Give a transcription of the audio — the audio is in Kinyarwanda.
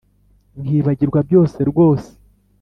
nkibagirwa byose rwose